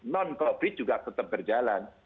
non covid juga tetap berjalan